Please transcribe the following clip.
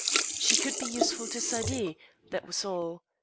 She could be useful to Saidee; that was all.